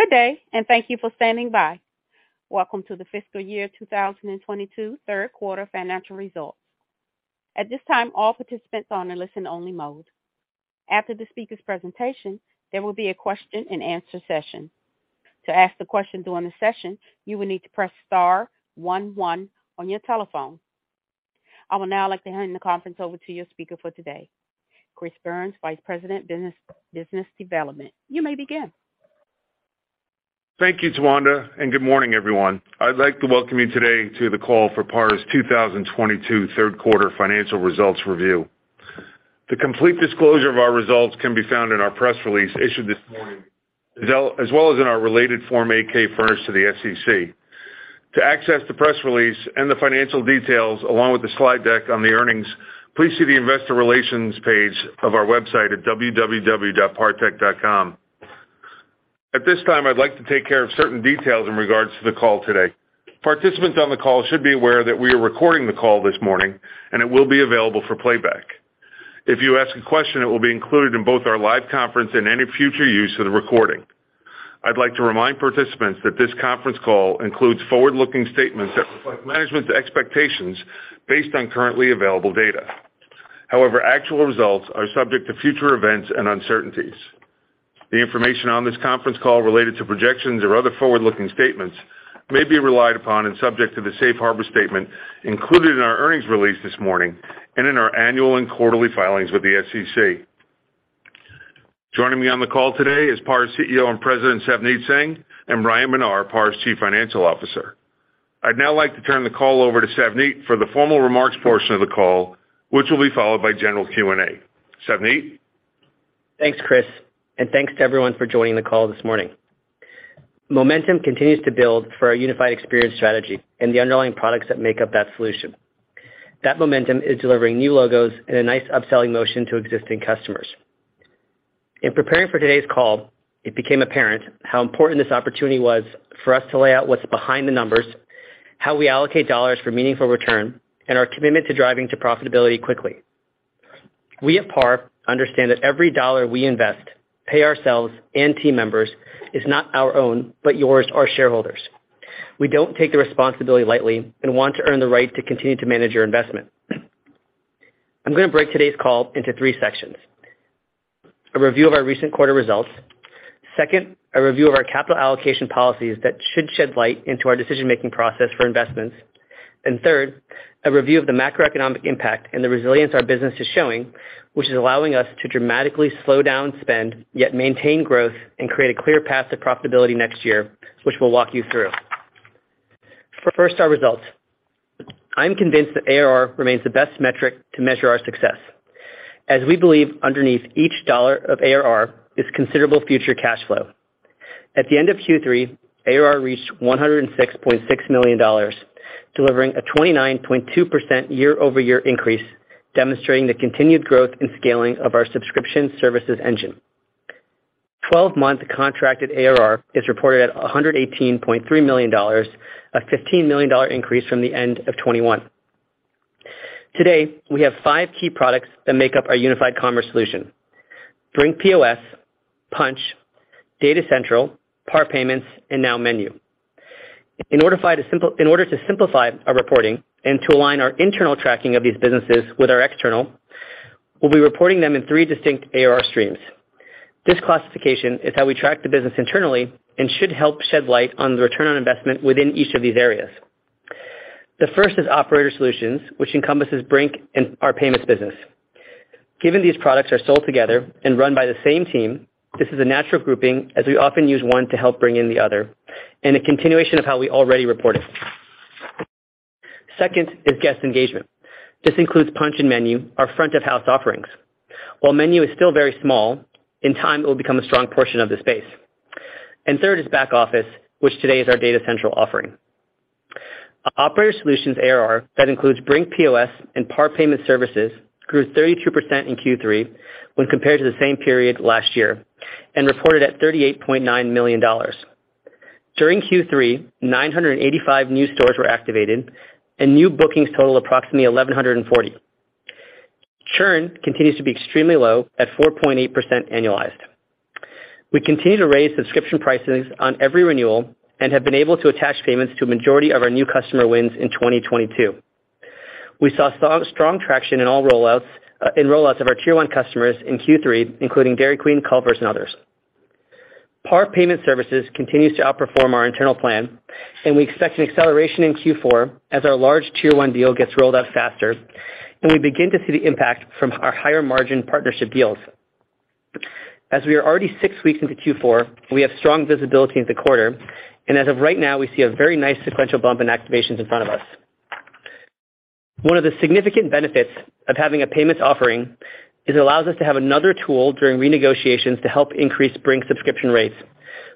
Good day, thank you for standing by. Welcome to the fiscal year 2022 third quarter financial results. At this time, all participants are in a listen-only mode. After the speaker's presentation, there will be a question and answer session. To ask a question during the session, you will need to press star one one on your telephone. I would now like to hand the conference over to your speaker for today, Chris Byrnes, Senior Vice President of Investor Relations and Business Development. You may begin. Thank you, Tawanda, and good morning, everyone. I'd like to welcome you today to the call for PAR's 2022 third quarter financial results review. The complete disclosure of our results can be found in our press release issued this morning, as well as in our related Form 8-K furnished to the SEC. To access the press release and the financial details along with the slide deck on the earnings, please see the investor relations page of our website at www.partech.com. At this time, I'd like to take care of certain details in regards to the call today. Participants on the call should be aware that we are recording the call this morning, and it will be available for playback. If you ask a question, it will be included in both our live conference and any future use of the recording. I'd like to remind participants that this conference call includes forward-looking statements that reflect management's expectations based on currently available data. However, actual results are subject to future events and uncertainties. The information on this conference call related to projections or other forward-looking statements may be relied upon and subject to the safe harbor statement included in our earnings release this morning and in our annual and quarterly filings with the SEC. Joining me on the call today is PAR's CEO and President, Savneet Singh, and Bryan Menar, PAR's Chief Financial Officer. I'd now like to turn the call over to Savneet for the formal remarks portion of the call, which will be followed by general Q&A. Savneet? Thanks, Chris. Thanks to everyone for joining the call this morning. Momentum continues to build for our unified experience strategy and the underlying products that make up that solution. That momentum is delivering new logos and a nice upselling motion to existing customers. In preparing for today's call, it became apparent how important this opportunity was for us to lay out what's behind the numbers, how we allocate dollars for meaningful return, and our commitment to driving to profitability quickly. We at PAR understand that every dollar we invest, pay ourselves and team members, is not our own, but yours, our shareholders. We don't take the responsibility lightly and want to earn the right to continue to manage your investment. I'm gonna break today's call into three sections. A review of our recent quarter results. Second, a review of our capital allocation policies that should shed light into our decision-making process for investments. Third, a review of the macroeconomic impact and the resilience our business is showing, which is allowing us to dramatically slow down spend, yet maintain growth and create a clear path to profitability next year, which we'll walk you through. First our results. I'm convinced that ARR remains the best metric to measure our success, as we believe underneath each dollar of ARR is considerable future cash flow. At the end of Q3, ARR reached $106.6 million, delivering a 29.2% year-over-year increase, demonstrating the continued growth and scaling of our subscription services engine. Twelve months contracted ARR is reported at $118.3 million, a $15 million increase from the end of 2021. Today, we have five key products that make up our unified commerce solution. Brink POS, Punchh, Data Central, PAR Payments, and now MENU. In order to simplify our reporting and to align our internal tracking of these businesses with our external, we'll be reporting them in three distinct ARR streams. This classification is how we track the business internally and should help shed light on the return on investment within each of these areas. The first is Operator Solutions, which encompasses Brink and our payments business. Given these products are sold together and run by the same team, this is a natural grouping as we often use one to help bring in the other, and a continuation of how we already report it. Second is Guest Engagement. This includes Punchh and MENU, our front of house offerings. While MENU is still very small, in time, it will become a strong portion of the space. Third is back office, which today is our Data Central offering. Operator Solutions ARR that includes Brink POS and PAR Payment Services grew 32% in Q3 when compared to the same period last year, and reported at $38.9 million. During Q3, 985 new stores were activated, and new bookings total approximately 1,140. Churn continues to be extremely low at 4.8% annualized. We continue to raise subscription prices on every renewal and have been able to attach payments to a majority of our new customer wins in 2022. We saw strong traction in all rollouts of our tier one customers in Q3, including Dairy Queen, Culver's, and others. PAR Payment Services continues to outperform our internal plan, and we expect an acceleration in Q4 as our large tier one deal gets rolled out faster, and we begin to see the impact from our higher margin partnership deals. As we are already six weeks into Q4, we have strong visibility into quarter, and as of right now, we see a very nice sequential bump in activations in front of us. One of the significant benefits of having a payments offering is it allows us to have another tool during renegotiations to help increase Brink subscription rates,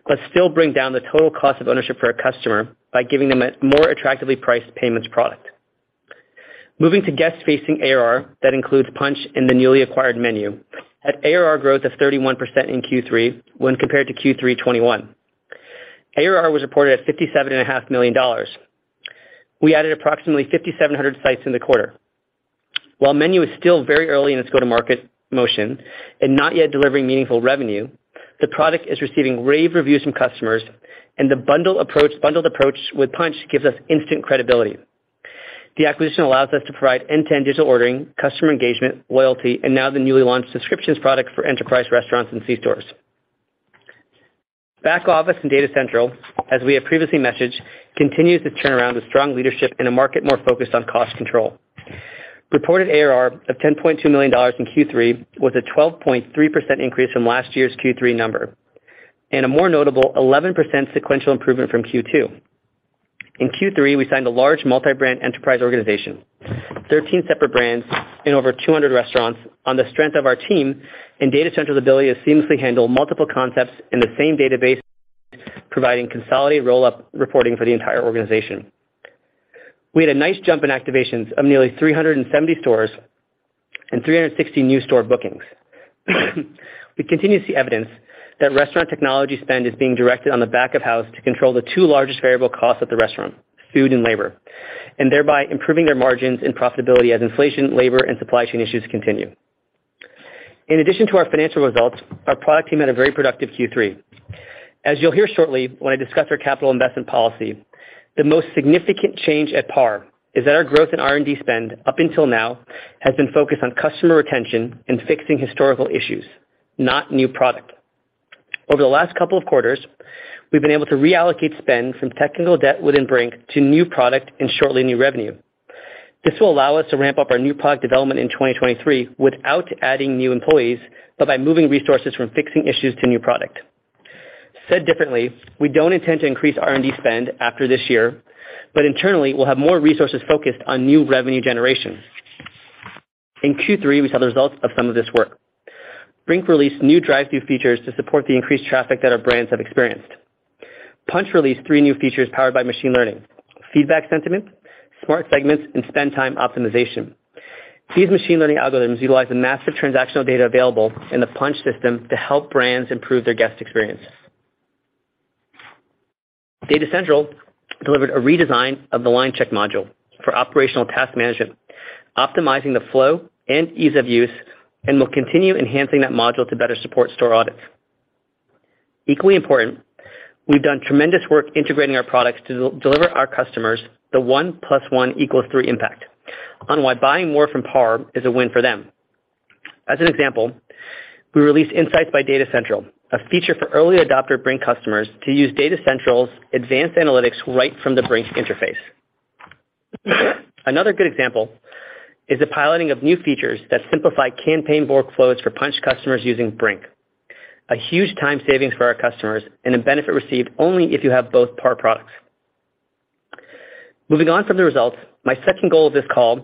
but still bring down the total cost of ownership for a customer by giving them a more attractively priced payments product. Moving to guest-facing ARR, that includes Punchh and the newly acquired MENU, had ARR growth of 31% in Q3 when compared to Q3 2021. ARR was reported at $57.5 million. We added approximately 5,700 sites in the quarter. While MENU is still very early in its go-to-market motion and not yet delivering meaningful revenue, the product is receiving rave reviews from customers, and the bundled approach with Punchh gives us instant credibility. The acquisition allows us to provide end-to-end digital ordering, customer engagement, loyalty, and now the newly launched subscriptions product for enterprise restaurants and C-stores. Back office and Data Central, as we have previously messaged, continues to turn around with strong leadership in a market more focused on cost control. Reported ARR of $10.2 million in Q3 was a 12.3% increase from last year's Q3 number, and a more notable 11% sequential improvement from Q2. In Q3, we signed a large multi-brand enterprise organization, 13 separate brands in over 200 restaurants on the strength of our team and Data Central's ability to seamlessly handle multiple concepts in the same database, providing consolidated roll-up reporting for the entire organization. We had a nice jump in activations of nearly 370 stores and 360 new store bookings. We continue to see evidence that restaurant technology spend is being directed on the back of house to control the two largest variable costs of the restaurant, food and labor, and thereby improving their margins and profitability as inflation, labor, and supply chain issues continue. In addition to our financial results, our product team had a very productive Q3. As you'll hear shortly when I discuss our capital investment policy, the most significant change at PAR is that our growth in R&D spend up until now has been focused on customer retention and fixing historical issues, not new product. Over the last couple of quarters, we've been able to reallocate spend from technical debt within Brink to new product and shortly new revenue. This will allow us to ramp up our new product development in 2023 without adding new employees, but by moving resources from fixing issues to new product. Said differently, we don't intend to increase R&D spend after this year, but internally, we'll have more resources focused on new revenue generation. In Q3, we saw the results of some of this work. Brink released new drive-thru features to support the increased traffic that our brands have experienced. Punchh released three new features powered by machine learning, feedback sentiment, smart segments, and spend time optimization. These machine learning algorithms utilize the massive transactional data available in the Punchh system to help brands improve their guest experience. Data Central delivered a redesign of the line check module for operational task management, optimizing the flow and ease of use, and we'll continue enhancing that module to better support store audits. Equally important, we've done tremendous work integrating our products to deliver our customers the one plus one equals three impact on why buying more from PAR is a win for them. As an example, we released Insights by Data Central, a feature for early adopter Brink customers to use Data Central's advanced analytics right from the Brink interface. Another good example is the piloting of new features that simplify campaign workflows for Punchh customers using Brink, a huge time savings for our customers and a benefit received only if you have both PAR products. Moving on from the results, my second goal of this call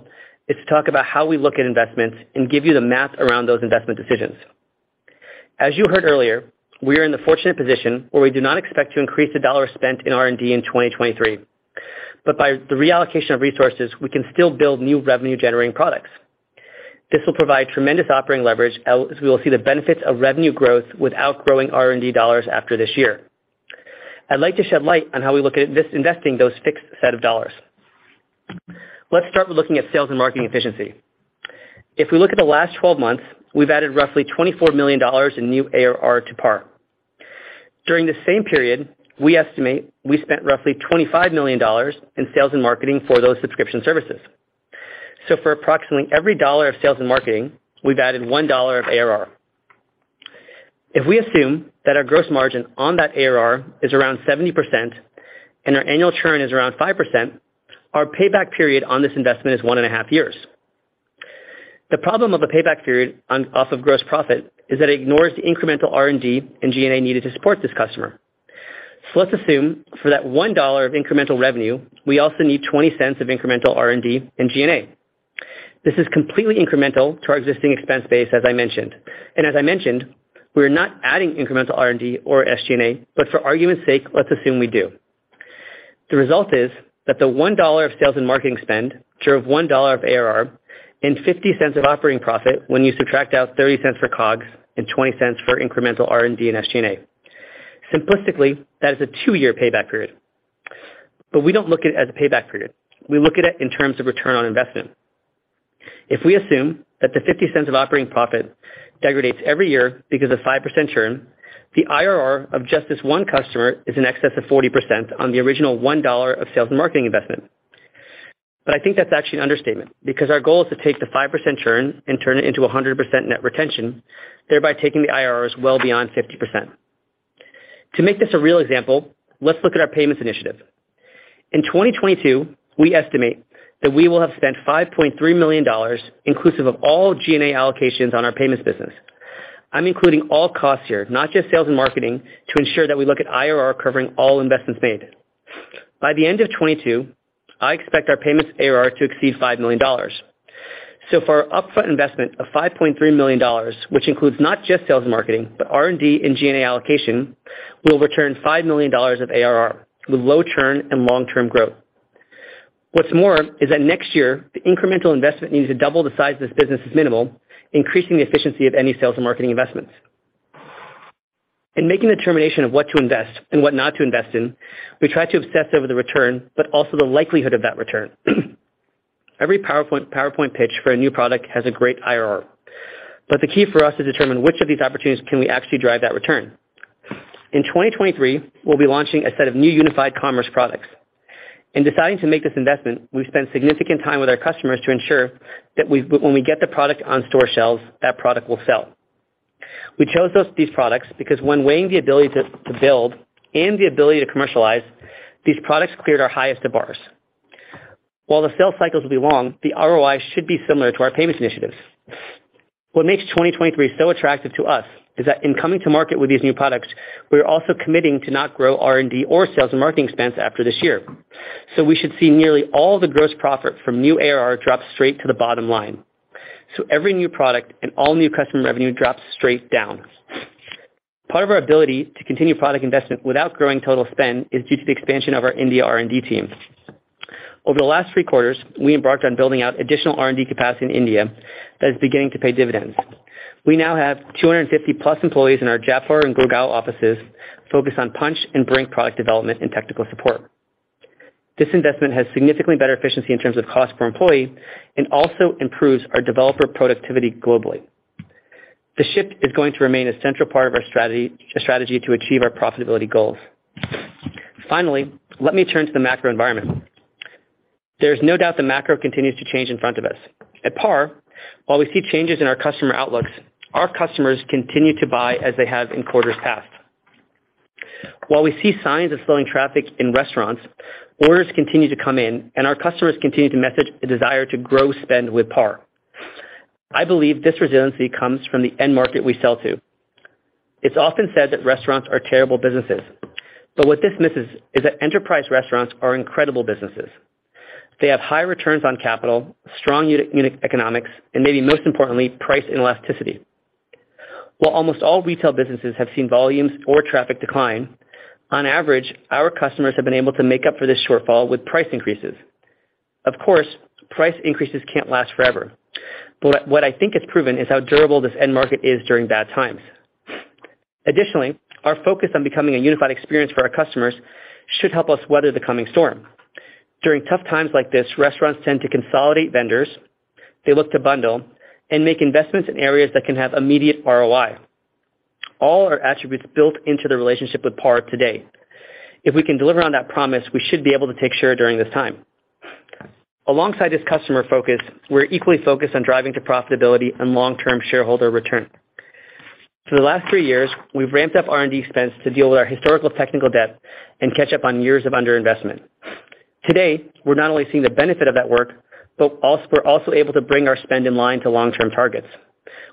is to talk about how we look at investments and give you the math around those investment decisions. As you heard earlier, we are in the fortunate position where we do not expect to increase the dollar spent in R&D in 2023. By the reallocation of resources, we can still build new revenue-generating products. This will provide tremendous operating leverage as we will see the benefits of revenue growth without growing R&D dollars after this year. I'd like to shed light on how we look at this investing in those fixed set of dollars. Let's start with looking at sales and marketing efficiency. If we look at the last 12 months, we've added roughly $24 million in new ARR to Par. During the same period, we estimate we spent roughly $25 million in sales and marketing for those subscription services. For approximately every dollar of sales and marketing, we've added $1 of ARR. If we assume that our gross margin on that ARR is around 70% and our annual churn is around 5%, our payback period on this investment is 1.5 years. The problem of a payback period off of gross profit is that it ignores the incremental R&D and G&A needed to support this customer. Let's assume for that $1 of incremental revenue, we also need 20 cents of incremental R&D and G&A. This is completely incremental to our existing expense base, as I mentioned. As I mentioned, we're not adding incremental R&D or SG&A, but for argument's sake, let's assume we do. The result is that the $1 of sales and marketing spend drove $1 of ARR and $0.50 of operating profit when you subtract out $0.30 for COGS and $0.20 for incremental R&D and SG&A. Simplistically, that is a two-year payback period. We don't look at it as a payback period. We look at it in terms of return on investment. If we assume that the $0.50 of operating profit degrades every year because of 5% churn, the IRR of just this one customer is in excess of 40% on the original $1 of sales and marketing investment. I think that's actually an understatement because our goal is to take the 5% churn and turn it into a 100% net retention, thereby taking the IRRs well beyond 50%. To make this a real example, let's look at our payments initiative. In 2022, we estimate that we will have spent $5.3 million inclusive of all G&A allocations on our payments business. I'm including all costs here, not just sales and marketing, to ensure that we look at IRR covering all investments made. By the end of 2022, I expect our payments ARR to exceed $5 million. For our upfront investment of $5.3 million, which includes not just sales and marketing, but R&D and G&A allocation, we'll return $5 million of ARR with low churn and long-term growth. What's more is that next year, the incremental investment needed to double the size of this business is minimal, increasing the efficiency of any sales and marketing investments. In making a determination of what to invest and what not to invest in, we try to obsess over the return, but also the likelihood of that return. Every PowerPoint pitch for a new product has a great IRR, but the key for us is to determine which of these opportunities can we actually drive that return. In 2023, we'll be launching a set of new unified commerce products. In deciding to make this investment, we've spent significant time with our customers to ensure that we, when we get the product on store shelves, that product will sell. We chose these products because when weighing the ability to build and the ability to commercialize, these products cleared our highest of bars. While the sales cycles will be long, the ROI should be similar to our payments initiatives. What makes 2023 so attractive to us is that in coming to market with these new products, we are also committing to not grow R&D or sales and marketing expense after this year. We should see nearly all the gross profit from new ARR drop straight to the bottom line. Every new product and all new customer revenue drops straight down. Part of our ability to continue product investment without growing total spend is due to the expansion of our India R&D team. Over the last three quarters, we embarked on building out additional R&D capacity in India that is beginning to pay dividends. We now have 250+ employees in our Jaipur and Gurgaon offices focused on Punchh and Brink product development and technical support. This investment has significantly better efficiency in terms of cost per employee and also improves our developer productivity globally. The shift is going to remain a central part of our strategy to achieve our profitability goals. Finally, let me turn to the macro environment. There is no doubt the macro continues to change in front of us. At PAR, while we see changes in our customer outlooks, our customers continue to buy as they have in quarters past. While we see signs of slowing traffic in restaurants, orders continue to come in, and our customers continue to message a desire to grow spend with PAR. I believe this resiliency comes from the end market we sell to. It's often said that restaurants are terrible businesses, but what this misses is that enterprise restaurants are incredible businesses. They have high returns on capital, strong unit economics, and maybe most importantly, price inelasticity. While almost all retail businesses have seen volumes or traffic decline, on average, our customers have been able to make up for this shortfall with price increases. Of course, price increases can't last forever, but what I think is proven is how durable this end market is during bad times. Additionally, our focus on becoming a unified experience for our customers should help us weather the coming storm. During tough times like this, restaurants tend to consolidate vendors, they look to bundle and make investments in areas that can have immediate ROI. All are attributes built into the relationship with PAR today. If we can deliver on that promise, we should be able to take share during this time. Alongside this customer focus, we're equally focused on driving to profitability and long-term shareholder return. For the last three years, we've ramped up R&D expense to deal with our historical technical debt and catch up on years of underinvestment. Today, we're not only seeing the benefit of that work, but we're also able to bring our spend in line to long-term targets.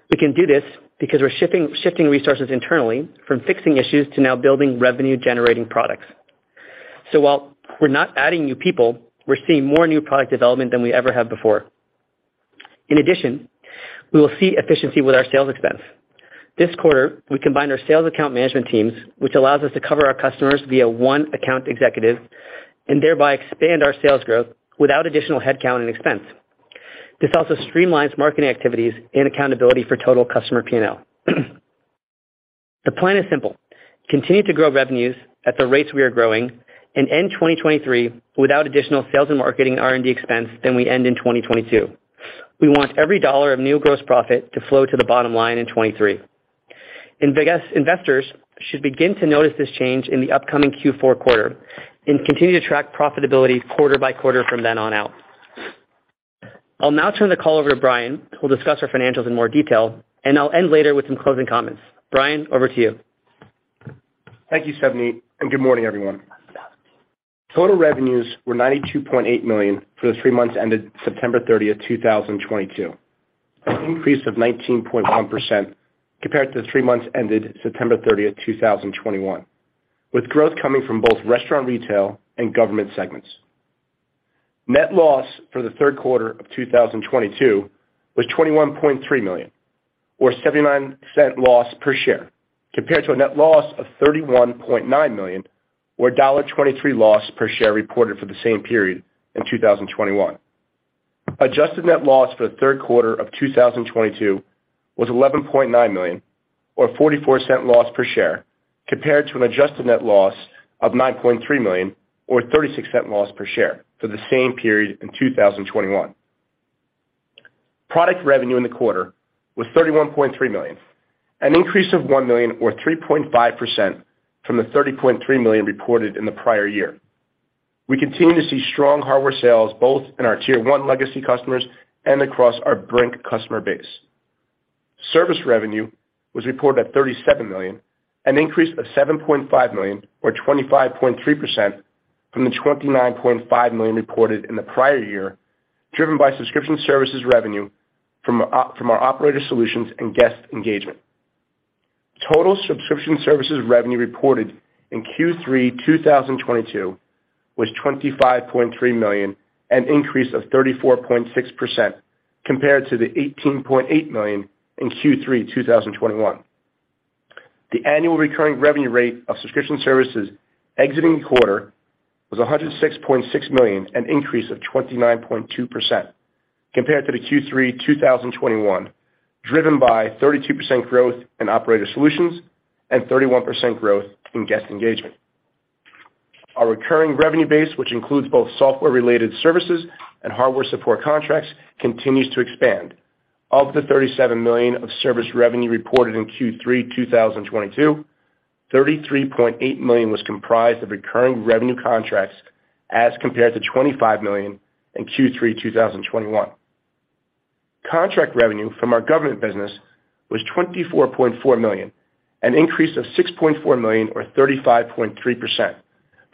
We can do this because we're shifting resources internally from fixing issues to now building revenue-generating products. While we're not adding new people, we're seeing more new product development than we ever have before. In addition, we will see efficiency with our sales expense. This quarter, we combined our sales account management teams, which allows us to cover our customers via one account executive and thereby expand our sales growth without additional headcount and expense. This also streamlines marketing activities and accountability for total customer P&L. The plan is simple. Continue to grow revenues at the rates we are growing and end 2023 without additional sales and marketing R&D expense than we end in 2022. We want every dollar of new gross profit to flow to the bottom line in 2023. Investors should begin to notice this change in the upcoming Q4 quarter and continue to track profitability quarter by quarter from then on out. I'll now turn the call over to Bryan, who will discuss our financials in more detail, and I'll end later with some closing comments. Bryan, over to you. Thank you, Savneet, and good morning, everyone. Total revenues were $92.8 million for the three months ended September 30th, 2022, an increase of 19.1% compared to the three months ended September 30th, 2021, with growth coming from both restaurant, retail, and government segments. Net loss for the third quarter of 2022 was $21.3 million or $0.79 loss per share, compared to a net loss of $31.9 million or $1.23 loss per share reported for the same period in 2021. Adjusted net loss for the third quarter of 2022 was $11.9 million or $0.44 loss per share, compared to an adjusted net loss of $9.3 million or $0.36 loss per share for the same period in 2021. Product revenue in the quarter was $31.3 million, an increase of $1 million or 3.5% from the $30.3 million reported in the prior year. We continue to see strong hardware sales both in our tier one legacy customers and across our Brink customer base. Service revenue was reported at $37 million, an increase of $7.5 million or 25.3% from the $29.5 million reported in the prior year, driven by subscription services revenue from our Operator Solutions and guest engagement. Total subscription services revenue reported in Q3 2022 was $25.3 million, an increase of 34.6% compared to the $18.8 million in Q3 2021. The annual recurring revenue rate of subscription services exiting the quarter was $106.6 million, an increase of 29.2%. Compared to Q3 2021, driven by 32% growth in Operator Solutions and 31% growth in guest engagement. Our recurring revenue base, which includes both software-related services and hardware support contracts, continues to expand. Of the $37 million of service revenue reported in Q3 2022, $33.8 million was comprised of recurring revenue contracts, as compared to $25 million in Q3 2021. Contract revenue from our government business was $24.4 million, an increase of $6.4 million or 35.3%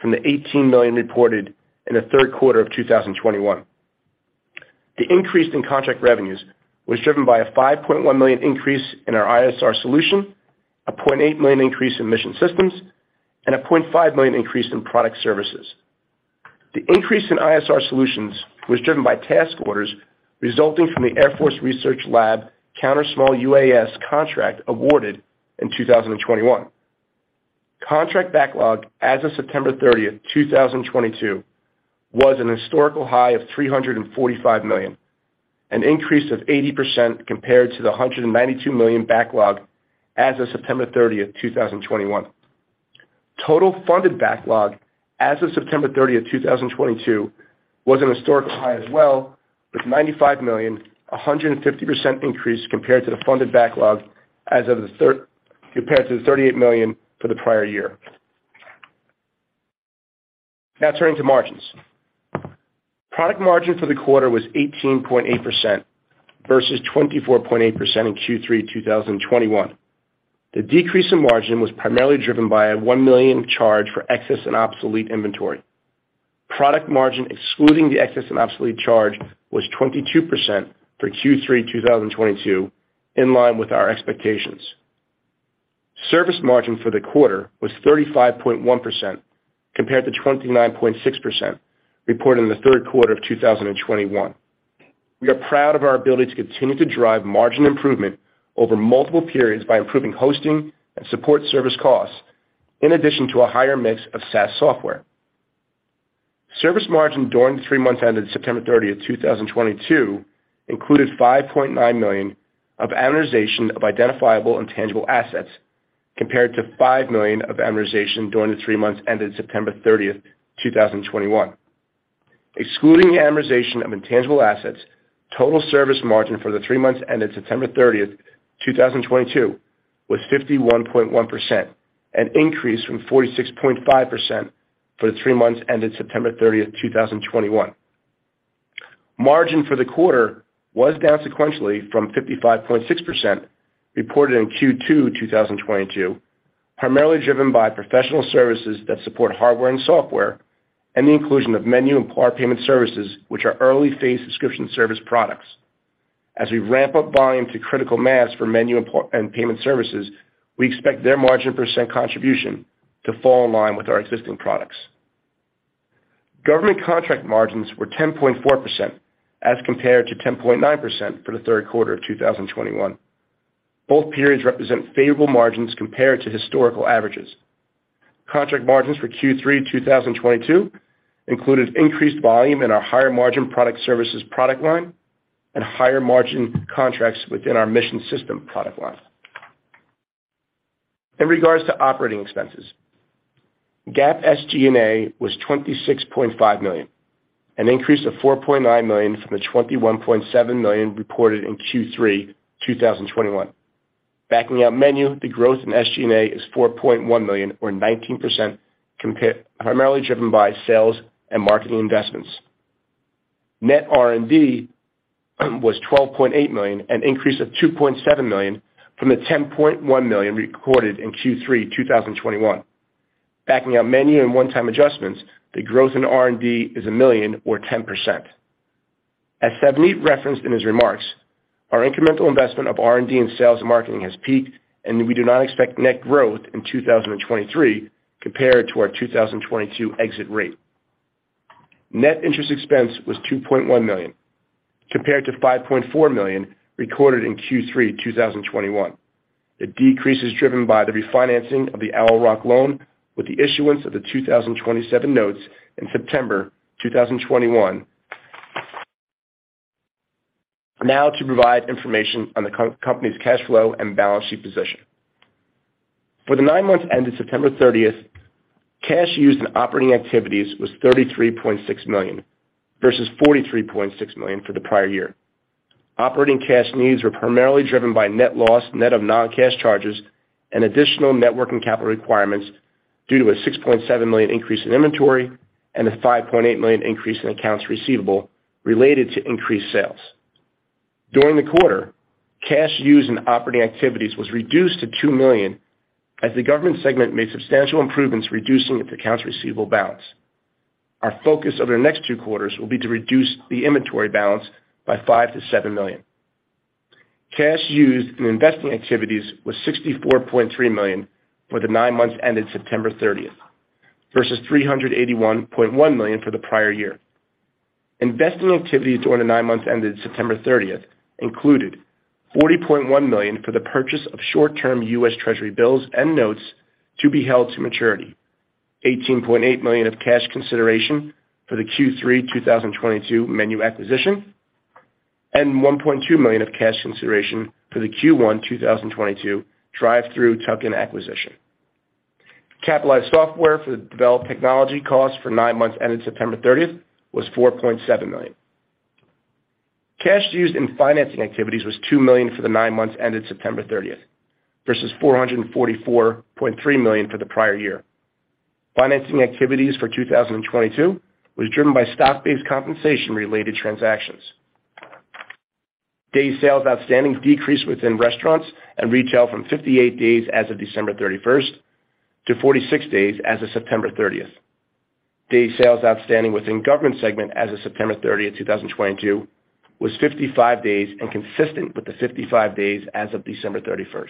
from the $18 million reported in the third quarter of 2021. The increase in contract revenues was driven by a $5.1 million increase in our ISR solution, a $0.8 million increase in mission systems, and a $0.5 million increase in product services. The increase in ISR solutions was driven by task orders resulting from the Air Force Research Laboratory Counter-Small UAS contract awarded in 2021. Contract backlog as of September 30th, 2022, was an historical high of $345 million, an increase of 80% compared to the $192 million backlog as of September 30th, 2021. Total funded backlog as of September 30th, 2022, was an historical high as well, with $95 million, a 150% increase compared to the $38 million for the prior year. Now turning to margins. Product margin for the quarter was 18.8% versus 24.8% in Q3 2021. The decrease in margin was primarily driven by a $1 million charge for excess and obsolete inventory. Product margin excluding the excess and obsolete charge was 22% for Q3 2022, in line with our expectations. Service margin for the quarter was 35.1% compared to 29.6% reported in the third quarter of 2021. We are proud of our ability to continue to drive margin improvement over multiple periods by improving hosting and support service costs, in addition to a higher mix of SaaS software. Service margin during the three months ended September 30th, 2022, included $5.9 million of amortization of identifiable intangible assets, compared to $5 million of amortization during the three months ended September 30th, 2021. Excluding amortization of intangible assets, total service margin for the three months ended September 30th, 2022, was 51.1%, an increase from 46.5% for the three months ended September 30th, 2021. Margin for the quarter was down sequentially from 55.6% reported in Q2 2022, primarily driven by professional services that support hardware and software and the inclusion of MENU and PAR Payment Services, which are early phase subscription service products. As we ramp up volume to critical mass for Menu and Payment Services, we expect their margin percent contribution to fall in line with our existing products. Government contract margins were 10.4% as compared to 10.9% for the third quarter of 2021. Both periods represent favorable margins compared to historical averages. Contract margins for Q3 2022 included increased volume in our higher margin product services product line and higher margin contracts within our mission system product line. In regards to operating expenses, GAAP SG&A was $26.5 million, an increase of $4.9 million from the $21.7 million reported in Q3 2021. Backing out Menu, the growth in SG&A is $4.1 million or 19% primarily driven by sales and marketing investments. Net R&D was $12.8 million, an increase of $2.7 million from the $10.1 million recorded in Q3 2021. Backing out MENU and one-time adjustments, the growth in R&D is $1 million or 10%. As Savneet referenced in his remarks, our incremental investment of R&D in sales and marketing has peaked, and we do not expect net growth in 2023 compared to our 2022 exit rate. Net interest expense was $2.1 million, compared to $5.4 million recorded in Q3 2021. The decrease is driven by the refinancing of the Owl Rock loan with the issuance of the 2027 notes in September 2021. Now to provide information on the company's cash flow and balance sheet position. For the nine months ended September 30th, cash used in operating activities was $33.6 million, versus $43.6 million for the prior year. Operating cash needs were primarily driven by net loss, net of non-cash charges and additional net working capital requirements due to a $6.7 million increase in inventory and a $5.8 million increase in accounts receivable related to increased sales. During the quarter, cash used in operating activities was reduced to $2 million as the government segment made substantial improvements reducing its accounts receivable balance. Our focus over the next two quarters will be to reduce the inventory balance by $5 million to $7 million. Cash used in investing activities was $64.3 million for the nine months ended September 30th, versus $381.1 million for the prior year. Investing activities during the 9 months ended September 30th included $40.1 million for the purchase of short-term U.S. Treasury bills and notes to be held to maturity. $18.8 million of cash consideration for the Q3 2022 MENU acquisition, and $1.2 million of cash consideration for the Q1 2022 drive-thru tuck-in acquisition. Capitalized software development costs for the nine months ended September 30th was $4.7 million. Cash used in financing activities was $2 million for the nine months ended September 30th versus $444.3 million for the prior year. Financing activities for 2022 was driven by stock-based compensation related transactions. Day sales outstanding decreased within restaurants and retail from 58 days as of December 31st to 46 days as of September 30th. Days sales outstanding within government segment as of September 30th, 2022 was 55 days and consistent with the 55 days as of December 31st.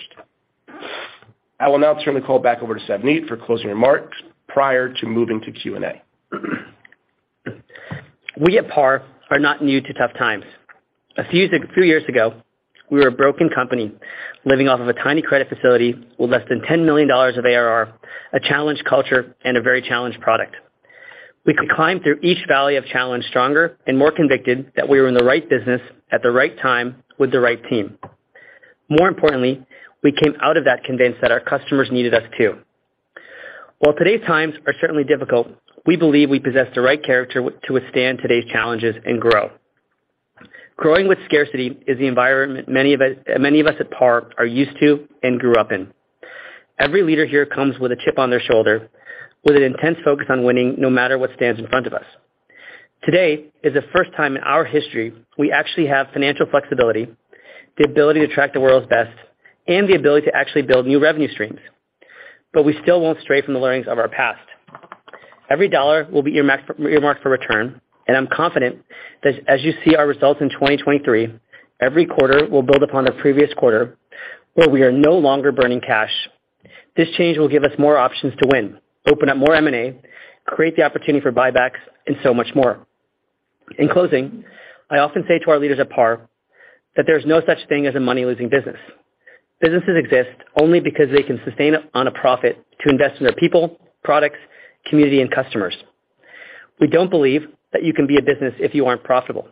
I will now turn the call back over to Savneet for closing remarks prior to moving to Q&A. We at PAR are not new to tough times. A few years ago, we were a broken company living off of a tiny credit facility with less than $10 million of ARR, a challenged culture, and a very challenged product. We could climb through each valley of challenge stronger and more convicted that we were in the right business at the right time with the right team. More importantly, we came out of that convinced that our customers needed us too. While today's times are certainly difficult, we believe we possess the right character to withstand today's challenges and grow. Growing with scarcity is the environment many of us at PAR are used to and grew up in. Every leader here comes with a chip on their shoulder with an intense focus on winning, no matter what stands in front of us. Today is the first time in our history we actually have financial flexibility, the ability to attract the world's best, and the ability to actually build new revenue streams. We still won't stray from the learnings of our past. Every dollar will be earmarked for return, and I'm confident that as you see our results in 2023, every quarter will build upon the previous quarter where we are no longer burning cash. This change will give us more options to win, open up more M&A, create the opportunity for buybacks, and so much more. In closing, I often say to our leaders at PAR that there's no such thing as a money-losing business. Businesses exist only because they can sustain it on a profit to invest in their people, products, community, and customers. We don't believe that you can be a business if you aren't profitable.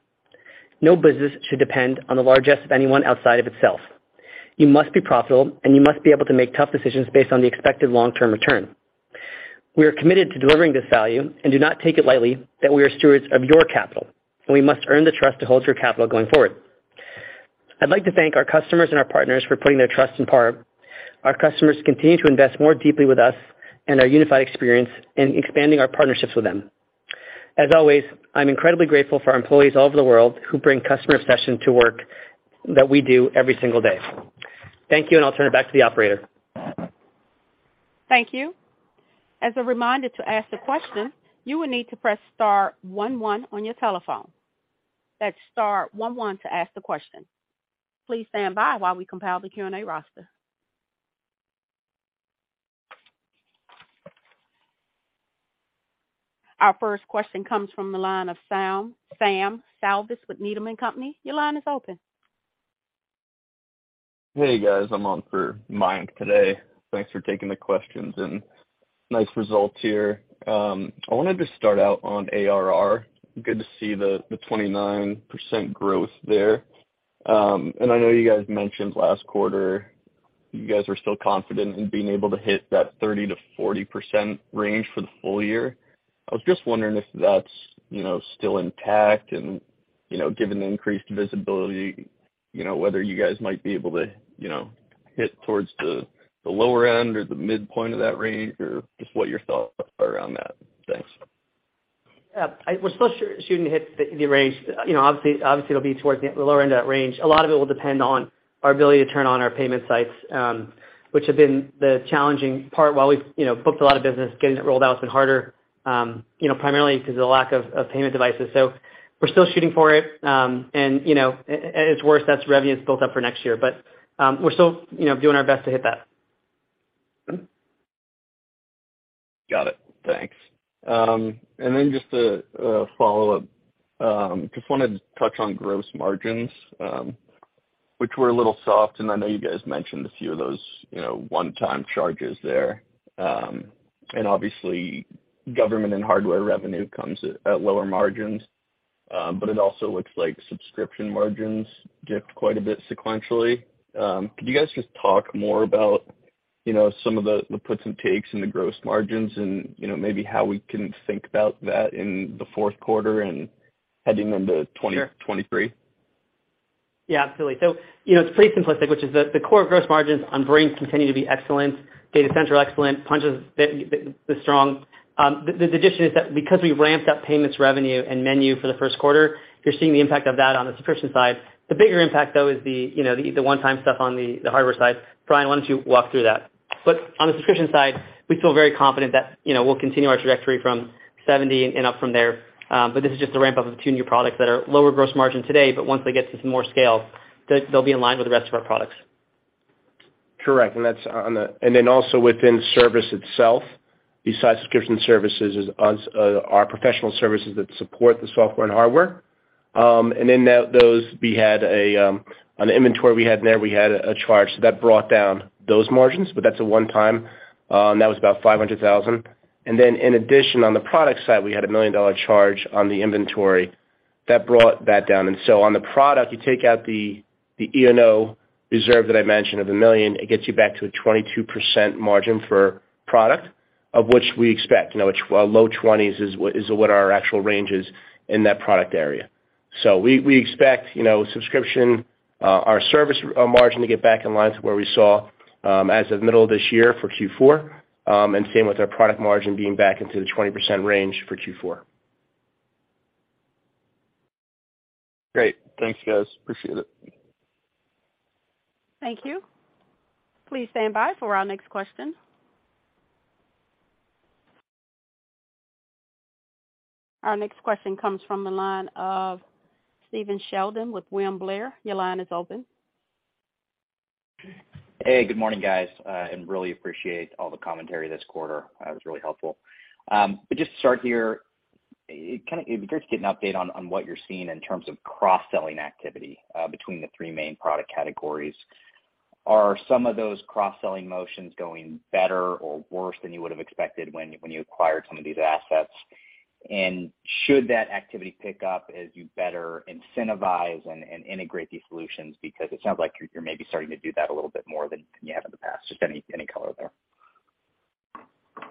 No business should depend on the largesse of anyone outside of itself. You must be profitable, and you must be able to make tough decisions based on the expected long-term return. We are committed to delivering this value and do not take it lightly that we are stewards of your capital, and we must earn the trust to hold your capital going forward. I'd like to thank our customers and our partners for putting their trust in PAR. Our customers continue to invest more deeply with us and our unified experience in expanding our partnerships with them. As always, I'm incredibly grateful for our employees all over the world who bring customer obsession to work that we do every single day. Thank you, and I'll turn it back to the operator. Thank you. As a reminder to ask the question, you will need to press star one one on your telephone. That's star one one to ask the question. Please stand by while we compile the Q&A roster. Our first question comes from the line of Sam Salvas with Needham & Company. Your line is open. Hey, guys. I'm on for Mayank today. Thanks for taking the questions and nice results here. I wanted to start out on ARR. Good to see the 29% growth there. I know you guys mentioned last quarter you guys are still confident in being able to hit that 30% to 40% range for the full year. I was just wondering if that's, you know, still intact and, you know, given the increased visibility, you know, whether you guys might be able to, you know, hit towards the lower end or the midpoint of that range or just what your thoughts are around that. Thanks. Yeah. We're still shooting to hit the range. You know, obviously it'll be towards the lower end of that range. A lot of it will depend on our ability to turn on our payment sites, which have been the challenging part. While we've you know booked a lot of business, getting it rolled out has been harder, you know, primarily because of the lack of payment devices. We're still shooting for it, and you know, it's worth noting that revenue is built up for next year. We're still you know doing our best to hit that. Got it. Thanks. Just a follow-up. Just wanted to touch on gross margins, which were a little soft, and I know you guys mentioned a few of those, you know, one-time charges there. Obviously, government and hardware revenue comes at lower margins, but it also looks like subscription margins dipped quite a bit sequentially. Could you guys just talk more about, you know, some of the puts and takes in the gross margins and, you know, maybe how we can think about that in the fourth quarter and heading into 2023? Yeah, absolutely. You know, it's pretty simplistic, which is the core gross margins on Brink continue to be excellent, Data Central excellent, Punchh be strong. The addition is that because we ramped up payments revenue and MENU for the first quarter, you're seeing the impact of that on the subscription side. The bigger impact though is the one-time stuff on the hardware side. Bryan, why don't you walk through that? On the subscription side, we feel very confident that, you know, we'll continue our trajectory from 70% and up from there. This is just a ramp-up of the two new products that are lower gross margin today, but once they get to some more scale, they'll be in line with the rest of our products. Correct. Also within service itself, besides subscription services, is our professional services that support the software and hardware. In those, we had an inventory in there with a charge that brought down those margins, but that's a one time, and that was about $500,000. In addition, on the product side, we had a $1 million charge on the inventory that brought that down. On the product, you take out the E&O reserve that I mentioned of $1 million; it gets you back to a 22% margin for product, of which we expect, you know, low 20s% is what our actual range is in that product area. We expect, you know, subscription, our service, margin to get back in line to where we saw, as of middle of this year for Q4, and same with our product margin being back into the 20% range for Q4. Great. Thanks, guys. Appreciate it. Thank you. Please stand by for our next question. Our next question comes from the line of Stephen Sheldon with William Blair. Your line is open. Hey, good morning, guys. Really appreciate all the commentary this quarter. It was really helpful. Just to start here, kind of it'd be great to get an update on what you're seeing in terms of cross-selling activity between the three main product categories. Are some of those cross-selling motions going better or worse than you would have expected when you acquired some of these assets? Should that activity pick up as you better incentivize and integrate these solutions? Because it sounds like you're maybe starting to do that a little bit more than you have in the past. Just any color there?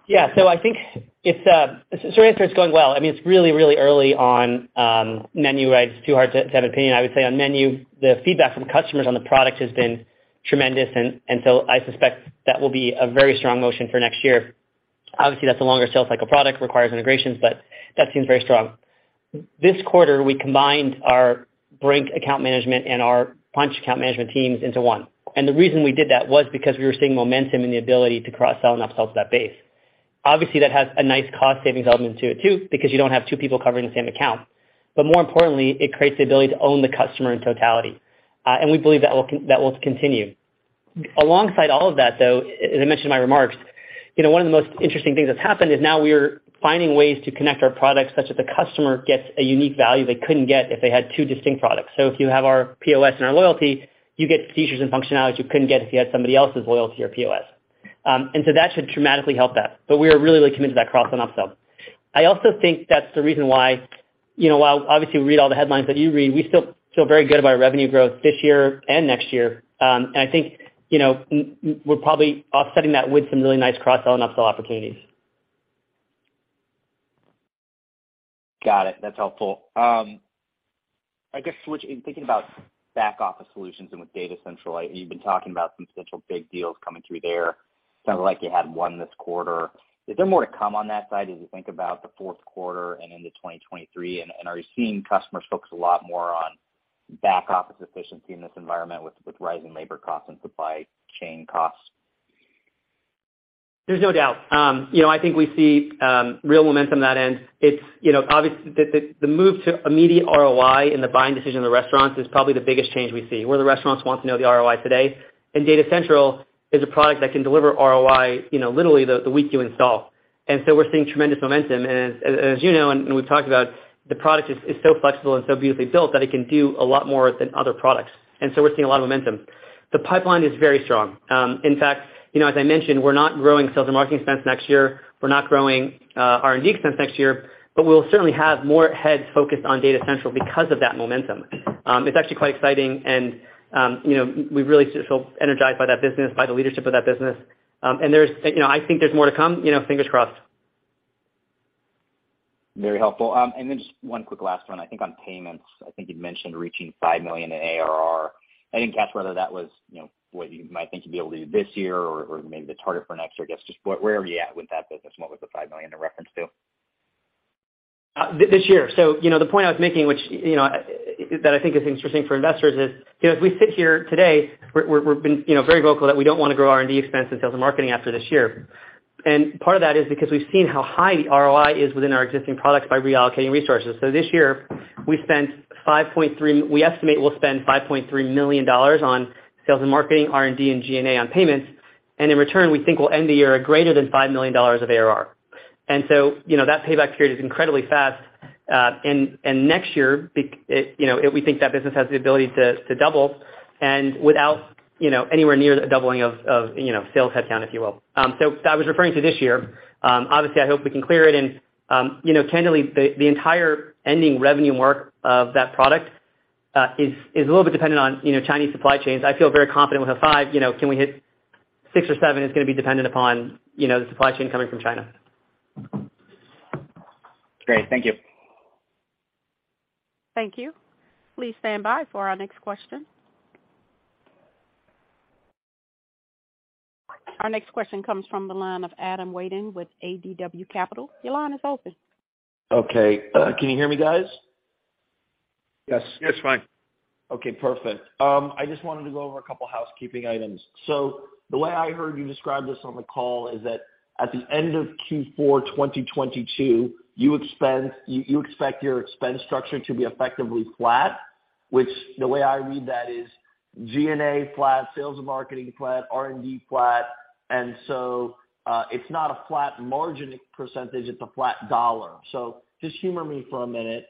Yeah. I think it's going well. I mean, it's really, really early on, MENU, right? It's too hard to have an opinion. I would say on MENU, the feedback from customers on the product has been tremendous. I suspect that will be a very strong motion for next year. Obviously, that's a longer sales cycle product, requires integrations, but that seems very strong. This quarter, we combined our Brink account management and our Punchh account management teams into one. The reason we did that was because we were seeing momentum in the ability to cross-sell and upsell to that base. Obviously, that has a nice cost savings element to it too, because you don't have two people covering the same account. More importantly, it creates the ability to own the customer in totality. We believe that will continue. Alongside all of that, though, as I mentioned in my remarks, you know, one of the most interesting things that's happened is now we are finding ways to connect our products such that the customer gets a unique value they couldn't get if they had two distinct products. If you have our POS and our loyalty, you get features and functionalities you couldn't get if you had somebody else's loyalty or POS. That should dramatically help that. We are really, really committed to that cross and upsell. I also think that's the reason why, you know, while obviously we read all the headlines that you read, we still feel very good about our revenue growth this year and next year. I think, you know, we're probably offsetting that with some really nice cross-sell and upsell opportunities. Got it. That's helpful. I guess switch, in thinking about back-office solutions and with Data Central, you've been talking about some potential big deals coming through there. Sounded like you had one this quarter. Is there more to come on that side as you think about the fourth quarter and into 2023? Are you seeing customers focus a lot more on back-office efficiency in this environment with rising labor costs and supply chain costs? There's no doubt. You know, I think we see real momentum in the end. It's, you know, obvious, the move to immediate ROI in the buying decision of the restaurants is probably the biggest change we see, where the restaurants want to know the ROI today. Data Central is a product that can deliver ROI, you know, literally the week you install. We're seeing tremendous momentum. As you know, and we've talked about, the product is so flexible and so beautifully built that it can do a lot more than other products. We're seeing a lot of momentum. The pipeline is very strong. In fact, you know, as I mentioned, we're not growing sales and marketing expense next year. We're not growing R&D expense next year, but we'll certainly have more heads focused on Data Central because of that momentum. It's actually quite exciting, and you know, we really just feel energized by that business, by the leadership of that business. There's you know, I think there's more to come, you know, fingers crossed. Very helpful. Then just one quick last one, I think on payments. I think you'd mentioned reaching $5 million in ARR. I didn't catch whether that was what you might think you'll be able to do this year or maybe the target for next year. I guess just where are you at with that business? What was the $5 million in reference to? This year. You know, the point I was making, which, you know, that I think is interesting for investors is, you know, as we sit here today, we've been, you know, very vocal that we don't wanna grow R&D expense in sales and marketing after this year. Part of that is because we've seen how high ROI is within our existing products by reallocating resources. This year, we estimate we'll spend $5.3 million on sales and marketing, R&D, and G&A on payments. In return, we think we'll end the year at greater than $5 million of ARR. You know, that payback period is incredibly fast. Next year, you know, we think that business has the ability to double and without, you know, anywhere near the doubling of sales headcount, if you will. I was referring to this year. Obviously, I hope we can clear it. You know, candidly, the entire ending revenue mark of that product is a little bit dependent on Chinese supply chains. I feel very confident with a $5, you know, can we hit $6 or $7 is gonna be dependent upon the supply chain coming from China. Great. Thank you. Thank you. Please stand by for our next question. Our next question comes from the line of Adam Waldo with ADW Capital. Your line is open. Okay. Can you hear me, guys? Yes. Yes. Fine. Okay, perfect. I just wanted to go over a couple housekeeping items. The way I heard you describe this on the call is that at the end of Q4 2022, you expect your expense structure to be effectively flat. Which the way I read that is G&A flat, sales and marketing flat, R&D flat. It's not a flat margin percentage, it's a flat dollar. Just humor me for a minute.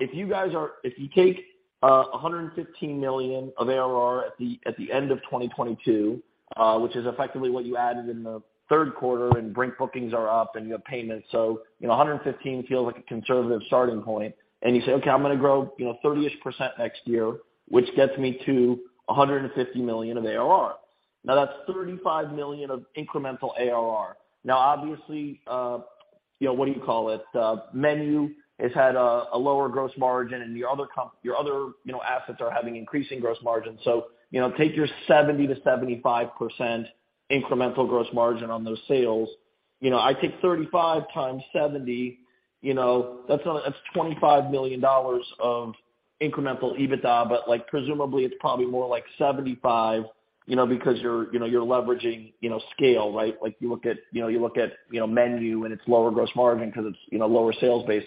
If you take $115 million of ARR at the end of 2022, which is effectively what you added in the third quarter, and Brink bookings are up and you have payments. You know, $115 feels like a conservative starting point. You say, "Okay, I'm gonna grow, you know, 30-ish% next year, which gets me to $150 million of ARR." Now that's $35 million of incremental ARR. Now obviously, you know, what do you call it? MENU has had a lower gross margin, and your other, you know, assets are having increasing gross margin. You know, take your 70% to 75% incremental gross margin on those sales. You know, I take 35 times 70, you know, that's $25 million of incremental EBITDA, but like presumably it's probably more like 75%, you know, because you're, you know, you're leveraging, you know, scale, right? Like you look at, you know, MENU and its lower gross margin because it's, you know, lower sales base.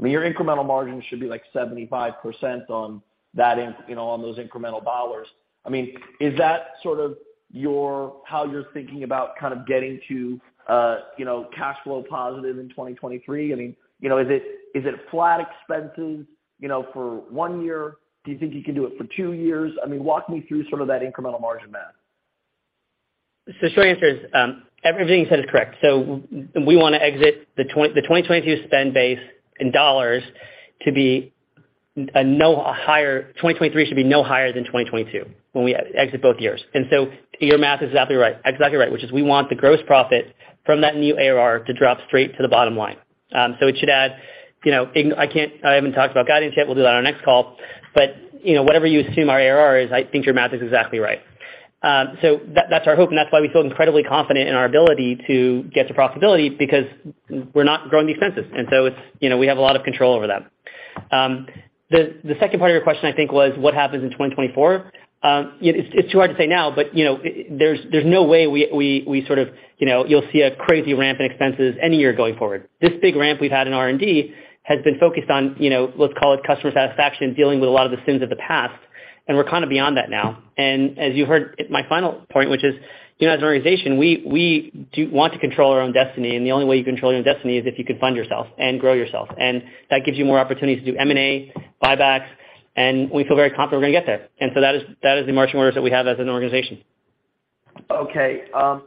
I mean, your incremental margin should be like 75% on those incremental dollars. I mean, is that sort of how you're thinking about kind of getting to, you know, cash flow positive in 2023? I mean, you know, is it flat expenses, you know, for one year? Do you think you can do it for two years? I mean, walk me through sort of that incremental margin math. The short answer is, everything you said is correct. We wanna exit the 2022 spend base in dollars to be no higher. 2023 should be no higher than 2022 when we exit both years. Your math is exactly right, which is we want the gross profit from that new ARR to drop straight to the bottom line. It should add, you know, I haven't talked about guidance yet. We'll do that on our next call. You know, whatever you assume our ARR is, I think your math is exactly right. That, that's our hope, and that's why we feel incredibly confident in our ability to get to profitability because we're not growing the expenses. It's, you know, we have a lot of control over them. The second part of your question, I think, was what happens in 2024? It's too hard to say now, but, you know, there's no way we sort of, you know, you'll see a crazy ramp in expenses any year going forward. This big ramp we've had in R&D has been focused on, you know, let's call it customer satisfaction, dealing with a lot of the sins of the past, and we're kind of beyond that now. As you heard my final point, which is, you know, as an organization, we do want to control our own destiny, and the only way you control your own destiny is if you can fund yourself and grow yourself. That gives you more opportunities to do M&A, buybacks, and we feel very confident we're gonna get there. That is the marching orders that we have as an organization. Okay. That's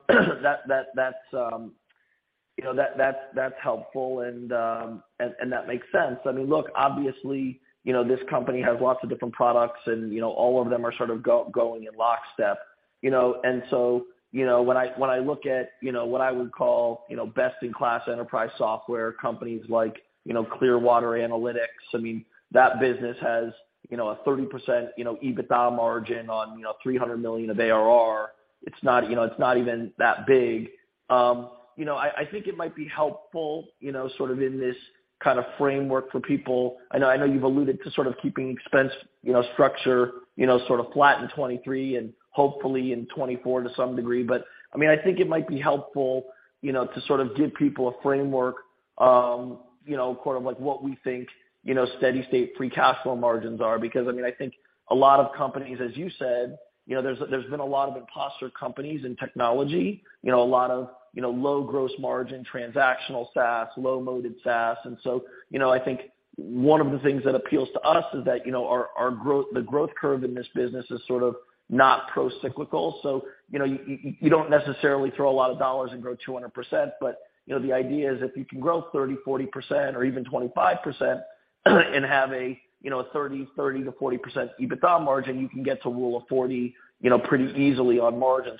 helpful and that makes sense. I mean, look, obviously, you know, this company has lots of different products and, you know, all of them are sort of going in lockstep, you know. You know, when I look at, you know, what I would call, you know, best in class enterprise software companies like, you know, Clearwater Analytics, I mean, that business has, you know, a 30% EBITDA margin on, you know, $300 million of ARR. It's not, you know, it's not even that big. You know, I think it might be helpful, you know, sort of in this kind of framework for people. I know you've alluded to sort of keeping expense, you know, structure, you know, sort of flat in 2023 and hopefully in 2024 to some degree. I mean, I think it might be helpful, you know, to sort of give people a framework, you know, sort of like what we think, you know, steady state free cash flow margins are. Because, I mean, I think a lot of companies, as you said, you know, there's been a lot of imposter companies in technology, you know, a lot of, you know, low gross margin, transactional SaaS, low loaded SaaS. So, you know, I think one of the things that appeals to us is that, you know, our growth, the growth curve in this business is sort of not pro-cyclical. You know, you don't necessarily throw a lot of dollars and grow 200%. But, you know, the idea is if you can grow 30%, 40% or even 25% and have a, you know, a 30% to 40% EBITDA margin, you can get to rule of 40%, you know, pretty easily on margin.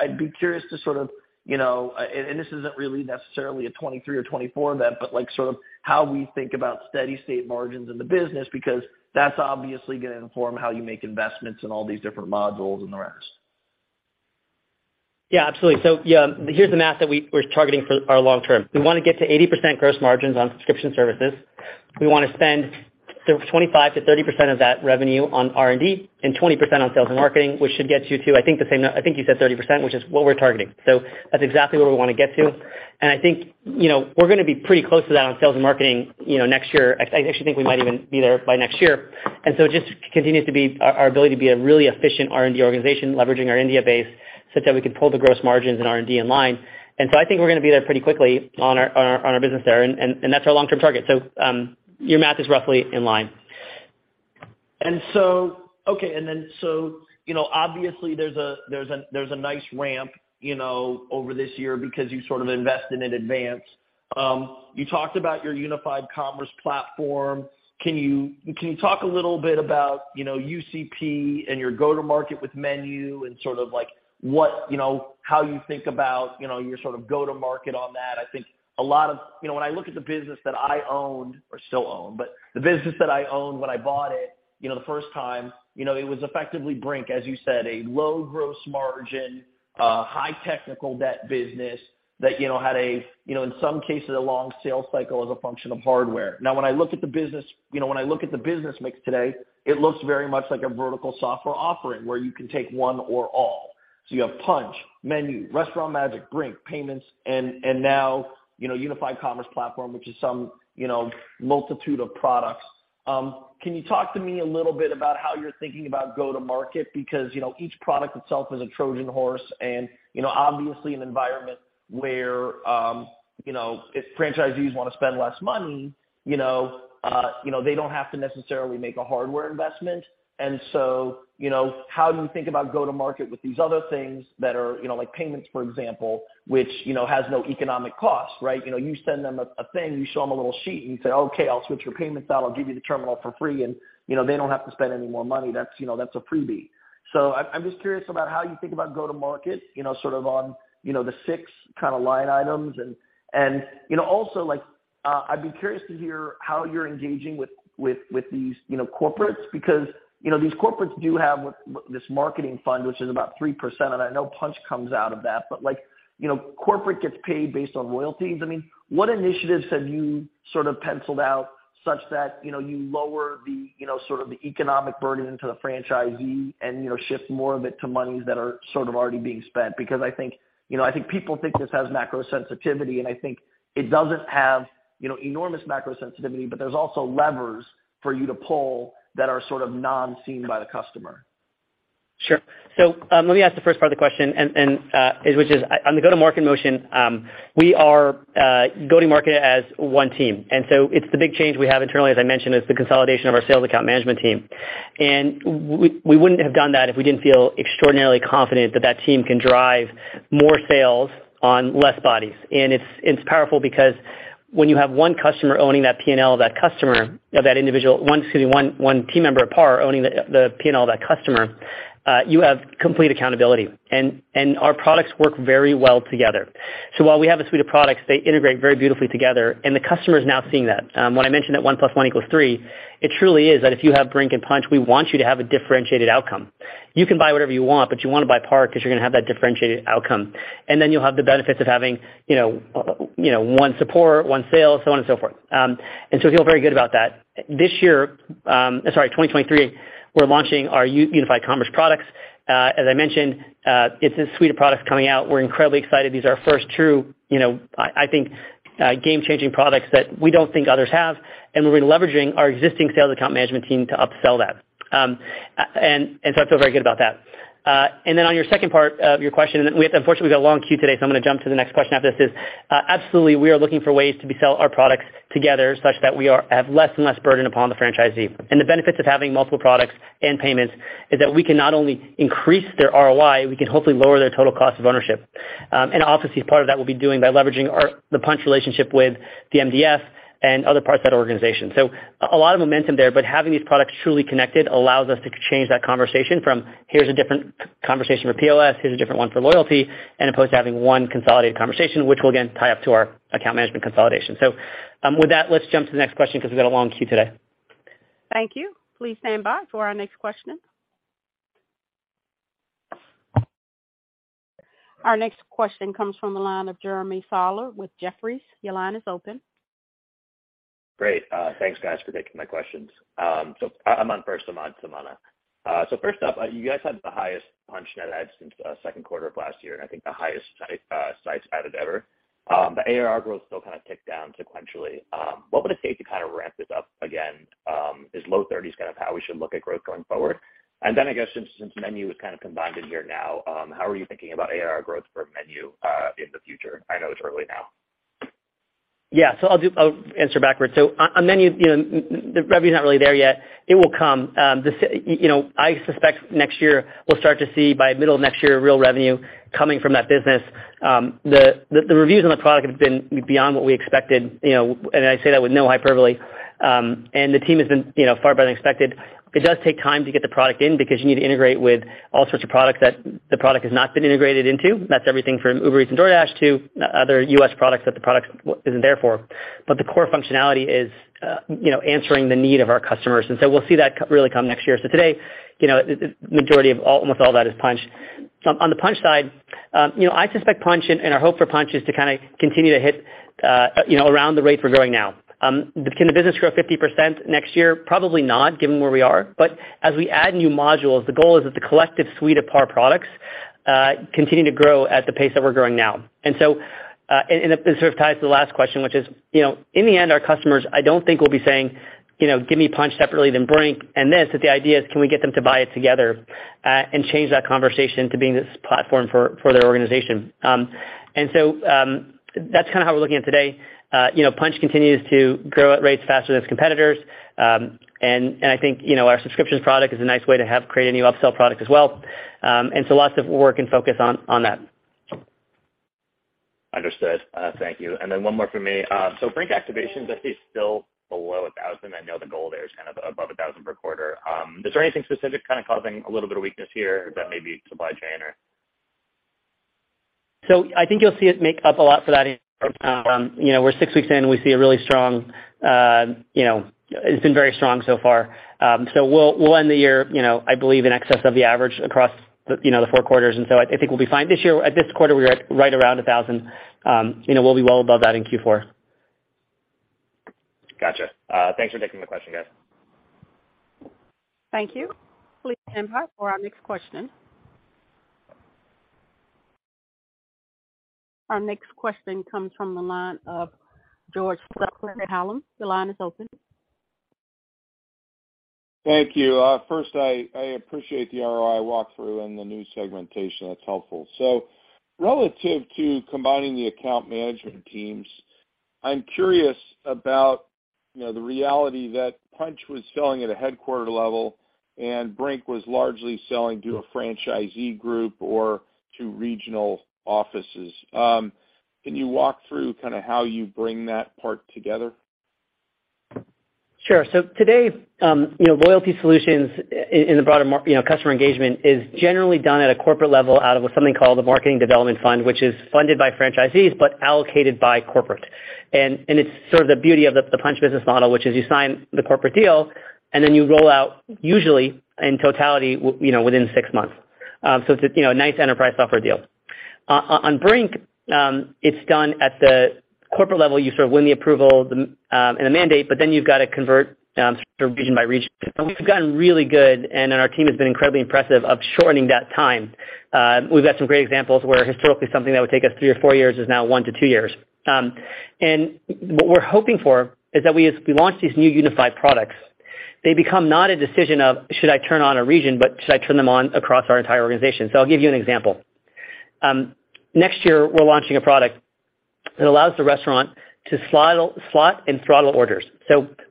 I'd be curious to sort of, you know, and this isn't really necessarily a 2023 or 2024 event, but like sort of how we think about steady state margins in the business, because that's obviously gonna inform how you make investments in all these different modules and the rest. Yeah, absolutely. Yeah, here's the math that we're targeting for our long term. We wanna get to 80% gross margins on subscription services. We wanna spend 25% to 30% of that revenue on R&D and 20% on sales and marketing, which should get you to, I think you said 30%, which is what we're targeting. That's exactly where we wanna get to. I think, you know, we're gonna be pretty close to that on sales and marketing, you know, next year. I actually think we might even be there by next year. It just continues to be our ability to be a really efficient R&D organization, leveraging our India base such that we can pull the gross margins and R&D in line. I think we're gonna be there pretty quickly on our business there, and that's our long-term target. Your math is roughly in line. Okay, you know, obviously there's a nice ramp, you know, over this year because you sort of invested in advance. You talked about your unified commerce platform. Can you talk a little bit about, you know, UCP and your go-to-market with Menu and sort of like what, you know, how you think about, you know, your sort of go-to-market on that? I think a lot of you know, when I look at the business that I owned or still own, but the business that I owned when I bought it, you know, the first time, you know, it was effectively Brink, as you said, a low gross margin, high technical debt business that, you know, had a, you know, in some cases a long sales cycle as a function of hardware. Now, when I look at the business, you know, when I look at the business mix today, it looks very much like a vertical software offering where you can take one or all. So you have Punchh, Menu, Restaurant Magic, Brink, payments, and now, you know, unified commerce platform, which is some, you know, multitude of products. Can you talk to me a little bit about how you're thinking about go-to-market? Because, you know, each product itself is a Trojan horse and, you know, obviously an environment where, you know, if franchisees want to spend less money, you know, they don't have to necessarily make a hardware investment. You know, how do you think about go-to-market with these other things that are, you know, like payments, for example, which, you know, has no economic cost, right? You know, you send them a thing, you show them a little sheet and you say, "Okay, I'll switch your payments out, I'll give you the terminal for free," and, you know, they don't have to spend any more money. That's, you know, that's a freebie. I'm just curious about how you think about go-to-market, you know, sort of on, you know, the six kind of line items. You know, also like, I'd be curious to hear how you're engaging with these, you know, corporates. Because, you know, these corporates do have this marketing fund, which is about 3%, and I know Punchh comes out of that. But like, you know, corporate gets paid based on royalties. I mean, what initiatives have you sort of penciled out such that, you know, you lower the, you know, sort of the economic burden to the franchisee and, you know, shift more of it to monies that are sort of already being spent? Because I think, you know, I think people think this has macro sensitivity, and I think it doesn't have, you know, enormous macro sensitivity, but there's also levers for you to pull that are sort of non-seen by the customer. Sure. Let me ask the first part of the question, which is, on the go-to-market motion, we are going to market as one team. It's the big change we have internally, as I mentioned, is the consolidation of our sales account management team. We wouldn't have done that if we didn't feel extraordinarily confident that that team can drive more sales on less bodies. It's powerful because when you have one customer owning that P&L of that customer or that individual, one team member at PAR owning the P&L of that customer, you have complete accountability. Our products work very well together. While we have a suite of products, they integrate very beautifully together, and the customer is now seeing that. When I mentioned that one plus one equals three, it truly is that if you have Brink and Punchh, we want you to have a differentiated outcome. You can buy whatever you want, but you wanna buy Par because you're gonna have that differentiated outcome. Then you'll have the benefits of having, you know, one support, one sale, so on and so forth. We feel very good about that. This year, sorry, 2023, we're launching our unified commerce products. As I mentioned, it's a suite of products coming out. We're incredibly excited. These are our first true, you know, I think, game-changing products that we don't think others have, and we'll be leveraging our existing sales account management team to upsell that. And so I feel very good about that. Absolutely, we are looking for ways to sell our products together such that we have less and less burden upon the franchisee. The benefits of having multiple products and payments is that we can not only increase their ROI, we can hopefully lower their total cost of ownership. Obviously part of that we'll be doing by leveraging the Punchh relationship with DMDF and other parts of that organization. A lot of momentum there, but having these products truly connected allows us to change that conversation from here's a different conversation for POS, here's a different one for loyalty, as opposed to having one consolidated conversation, which will again tie up to our account management consolidation. With that, let's jump to the next question because we've got a long queue today. Thank you. Please stand by for our next question. Our next question comes from the line of Jeremy Sahler with Jefferies. Your line is open. Great. Thanks guys for taking my questions. So I'm on Samad Samana. So first up, you guys had the highest Punchh net adds since second quarter of last year, and I think the highest sites added ever. But ARR growth still kind of ticked down sequentially. What would it take to kind of ramp this up again? Is low thirties kind of how we should look at growth going forward? Then I guess since MENU is kind of combined in here now, how are you thinking about ARR growth for MENU in the future? I know it's early now. Yeah. I'll answer backwards. On MENU, you know, the revenue's not really there yet. It will come. I suspect next year we'll start to see by middle of next year real revenue coming from that business. The reviews on the product have been beyond what we expected, you know, and I say that with no hyperbole. The team has been, you know, far better than expected. It does take time to get the product in because you need to integrate with all sorts of products that the product has not been integrated into. That's everything from Uber Eats and DoorDash to other U.S. products that the product isn't there for. But the core functionality is, you know, answering the need of our customers. We'll see that really come next year. Today, you know, the majority of all, almost all that is Punchh. On the Punchh side, you know, I suspect Punchh and our hope for Punchh is to kinda continue to hit, you know, around the rate we're growing now. Can the business grow 50% next year? Probably not, given where we are. As we add new modules, the goal is that the collective suite of PAR products continue to grow at the pace that we're growing now. It sort of ties to the last question, which is, you know, in the end, our customers I don't think will be saying, you know, "Give me Punch separately, then Brink and this." The idea is can we get them to buy it together, and change that conversation to being this platform for their organization. That's kinda how we're looking at today. You know, Punch continues to grow at rates faster than its competitors. I think, you know, our subscriptions product is a nice way to have created a new upsell product as well. Lots of work and focus on that. Understood. Thank you. One more from me. Brink activation is actually still below 1,000. I know the goal there is kind of above 1,000 per quarter. Is there anything specific kind of causing a little bit of weakness here that may be supply chain or? I think you'll see it make up a lot for that in Q4. You know, we're six weeks in and we see a really strong, you know, it's been very strong so far. We'll end the year, you know, I believe in excess of the average across the, you know, the four quarters. I think we'll be fine. This year, at this quarter, we're at right around 1,000. You know, we'll be well above that in Q4. Gotcha. Thanks for taking the question, guys. Thank you. Please stand by for our next question. Our next question comes from the line of George Sutton. Your line is open. Thank you. First, I appreciate the ROI walkthrough and the new segmentation. That's helpful. Relative to combining the account management teams, I'm curious about, you know, the reality that Punchh was selling at a headquarter level and Brink was largely selling to a franchisee group or to regional offices. Can you walk through kinda how you bring that part together? Sure. Today, you know, loyalty solutions in the broader market, you know, customer engagement is generally done at a corporate level out of what's called the marketing development fund, which is funded by franchisees, but allocated by corporate. It's sort of the beauty of the Punchh business model, which is you sign the corporate deal, and then you roll out usually in totality, you know, within six months. It's a, you know, nice enterprise software deal. On Brink, it's done at the corporate level. You sort of win the approval, and the mandate, but then you've got to convert, sort of region by region. We've gotten really good, and then our team has been incredibly impressive of shortening that time. We've got some great examples where historically something that would take us three or four years is now one to two years. What we're hoping for is that as we launch these new unified products, they become not a decision of should I turn on a region, but should I turn them on across our entire organization? I'll give you an example. Next year, we're launching a product that allows the restaurant to slot and throttle orders.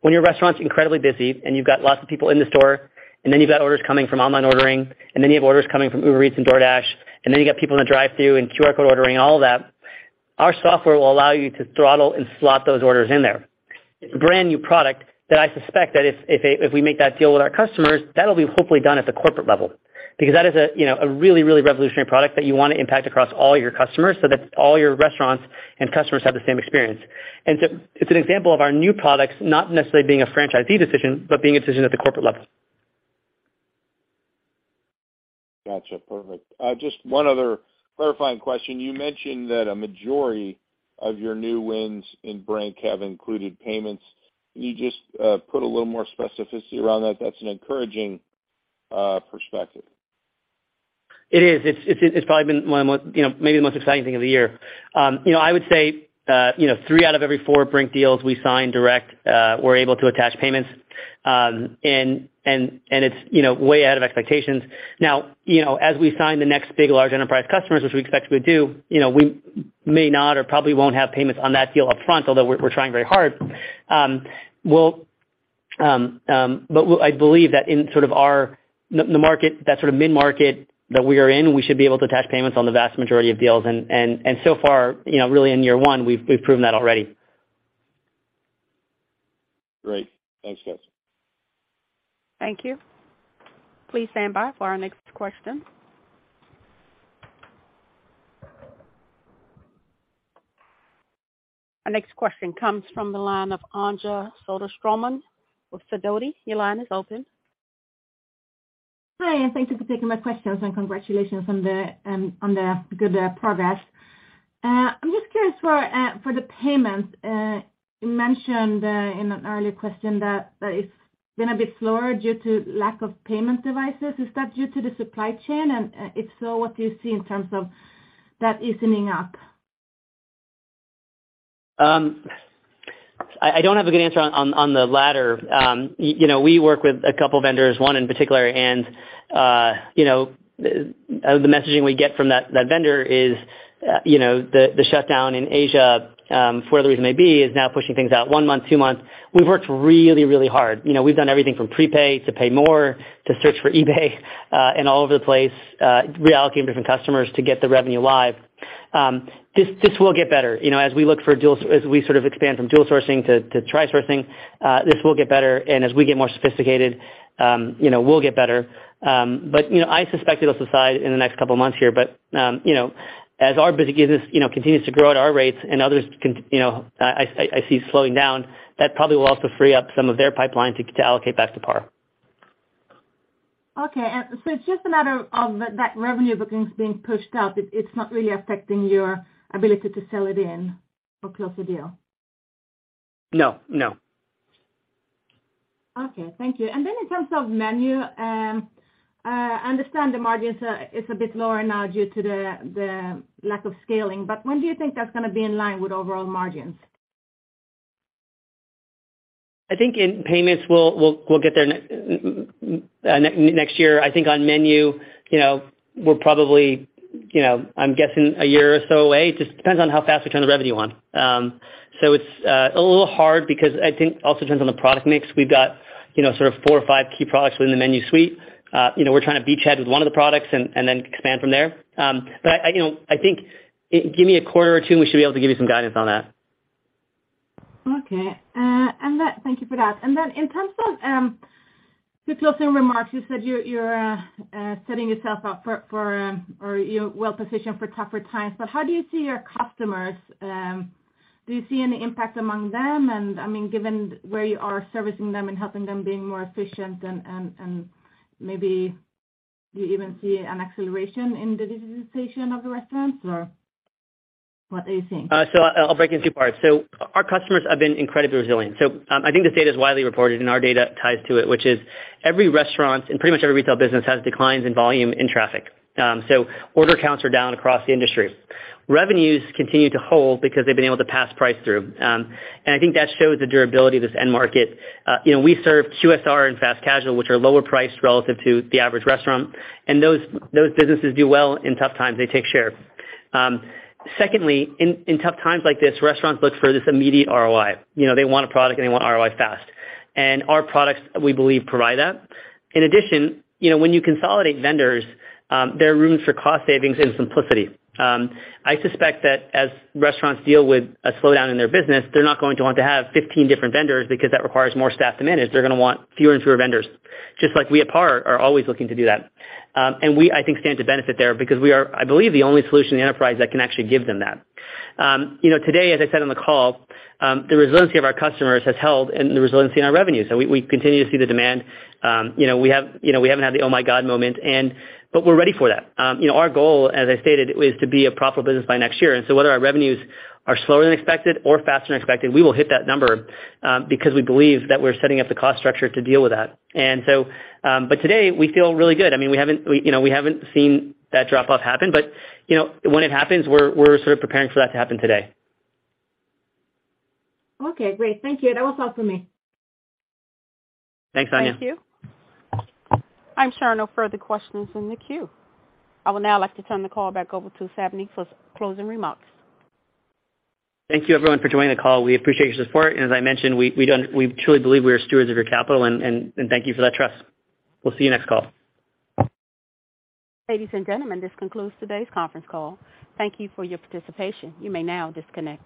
When your restaurant's incredibly busy, and you've got lots of people in the store, and then you've got orders coming from online ordering, and then you have orders coming from Uber Eats and DoorDash, and then you got people in the drive-thru and QR code ordering, all of that, our software will allow you to throttle and slot those orders in there. It's a brand-new product that I suspect if we make that deal with our customers, that'll be hopefully done at the corporate level. Because that is a, you know, really revolutionary product that you wanna impact across all your customers so that all your restaurants and customers have the same experience. It's an example of our new products not necessarily being a franchisee decision, but being a decision at the corporate level. Gotcha. Perfect. Just one other clarifying question. You mentioned that a majority of your new wins in Brink have included payments. Can you just put a little more specificity around that? That's an encouraging perspective. It is. It's probably been one of the most, you know, maybe the most exciting thing of the year. You know, I would say, you know, three out of every four Brink deals we sign direct, we're able to attach payments. It's, you know, way out of expectations. Now, you know, as we sign the next big large enterprise customers, which we expect we'll do, you know, we may not or probably won't have payments on that deal up front, although we're trying very hard. I believe that in sort of our end of the market, that sort of mid-market that we are in, we should be able to attach payments on the vast majority of deals. So far, you know, really in year one, we've proven that already. Great. Thanks, guys. Thank you. Please stand by for our next question. Our next question comes from the line of Anja Söderström with Sidoti & Company. Your line is open. Hi, and thank you for taking my questions, and congratulations on the good progress. I'm just curious for the payments. You mentioned in an earlier question that it's been a bit slower due to lack of payment devices. Is that due to the supply chain? If so, what do you see in terms of that easing up? I don't have a good answer on the latter. You know, we work with a couple vendors, one in particular, and the messaging we get from that vendor is, you know, the shutdown in Asia for whatever the reason may be is now pushing things out one month, two months. We've worked really hard. You know, we've done everything from prepay to pay more to search for eBay and all over the place, realities of different customers to get the revenue live. This will get better. You know, as we sort of expand from dual sourcing to tri-sourcing, this will get better. As we get more sophisticated, you know, we'll get better. You know, I suspect it'll subside in the next couple of months here. You know, as our business, you know, continues to grow at our rates and others, you know, I see slowing down, that probably will also free up some of their pipeline to allocate back to PAR. Okay. It's just a matter of that revenue bookings being pushed out. It's not really affecting your ability to sell it in or close the deal. No, no. Okay. Thank you. In terms of MENU, I understand the margins are a bit lower now due to the lack of scaling, but when do you think that's gonna be in line with overall margins? I think in payments, we'll get there next year. I think on MENU, you know, we're probably, you know, I'm guessing a year or so away. It just depends on how fast we turn the revenue on. It's a little hard because I think it also depends on the product mix. We've got, you know, sort of four or five key products within the MENU suite. You know, we're trying to beachhead with one of the products and then expand from there. You know, I think, give me a quarter or two, and we should be able to give you some guidance on that. Okay. Thank you for that. In terms of just closing remarks, you said you're well-positioned for tougher times, but how do you see your customers? Do you see any impact among them? I mean, given where you are servicing them and helping them being more efficient and maybe do you even see an acceleration in the digitization of the restaurants or? What are you seeing? I'll break in two parts. Our customers have been incredibly resilient. I think this data is widely reported, and our data ties to it, which is every restaurant and pretty much every retail business has declines in volume in traffic. Order counts are down across the industry. Revenues continue to hold because they've been able to pass price through. I think that shows the durability of this end market. You know, we serve QSR and fast casual, which are lower priced relative to the average restaurant, and those businesses do well in tough times. They take share. Secondly, in tough times like this, restaurants look for this immediate ROI. You know, they want a product and they want ROI fast. Our products, we believe, provide that. In addition, you know, when you consolidate vendors, there is room for cost savings and simplicity. I suspect that as restaurants deal with a slowdown in their business, they're not going to want to have 15 different vendors because that requires more staff to manage. They're gonna want fewer and fewer vendors, just like we at PAR are always looking to do that. We, I think, stand to benefit there because we are, I believe, the only solution in the enterprise that can actually give them that. You know, today, as I said on the call, the resiliency of our customers has held, and the resiliency in our revenues. We continue to see the demand. You know, we have, you know, we haven't had the oh my God moment, but we're ready for that. You know, our goal, as I stated, is to be a profitable business by next year. Whether our revenues are slower than expected or faster than expected, we will hit that number because we believe that we're setting up the cost structure to deal with that. Today, we feel really good. I mean, we haven't seen that drop off happen, but you know, when it happens, we're sort of preparing for that to happen today. Okay, great. Thank you. That was all for me. Thanks, Anja. Thank you. I'm showing no further questions in the queue. I would now like to turn the call back over to Savneet Singh for closing remarks. Thank you everyone for joining the call. We appreciate your support. As I mentioned, we truly believe we are stewards of your capital and thank you for that trust. We'll see you next call. Ladies and gentlemen, this concludes today's conference call. Thank you for your participation. You may now disconnect.